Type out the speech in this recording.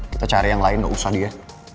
kita cari yang lain gak usah dia